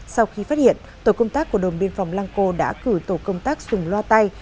sau khi phát hiện tổ công tác của đồn biên phòng lăng cô đã cử tổ công tác dùng loa tay